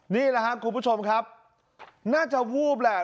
นี่แหละครับคุณผู้ชมครับน่าจะวูบแหละ